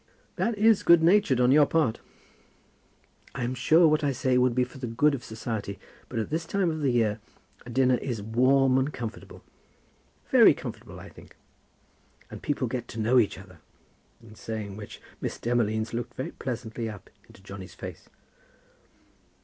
"That is good natured on your part." "I'm sure what I say would be for the good of society; but at this time of the year a dinner is warm and comfortable." "Very comfortable, I think." "And people get to know each other;" in saying which Miss Demolines looked very pleasantly up into Johnny's face.